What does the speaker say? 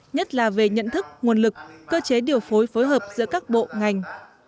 nhất là về nhận thức nguồn lực cơ chế điều phối phối hợp giữa các bộ ngành